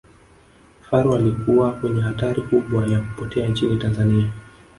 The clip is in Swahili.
faru alikuwa kwenye hatari kubwa ya kupotea nchini tanzania